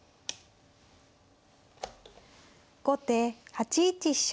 後手８一飛車。